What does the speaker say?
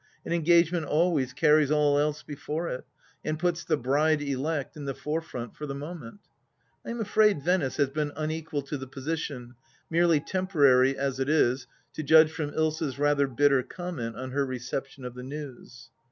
An engagement always carries all else before it, and puts the bride elect in the fore front for the moment. ... I am afraid Venice has been unequal to the position, merely temporary as it is, to judge from Ilsa's rather bitter comment on her reception of the news.